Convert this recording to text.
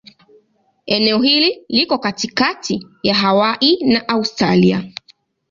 Eneo hili liko katikati ya Hawaii na Australia.